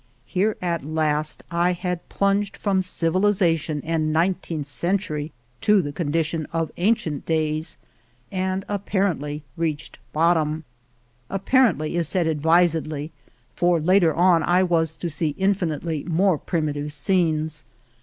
Here at last I had plunged from civilization and nineteenth century to the condition of an cient days, and apparently reached bottom. Apparently," is said advisedly, for later on I was to see infinitely more primitive scenes.